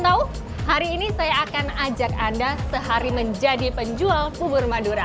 atau hari ini saya akan ajak anda sehari menjadi penjual bubur madura